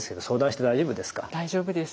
大丈夫です。